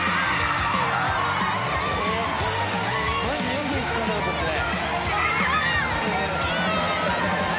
よく見つかんなかったですね。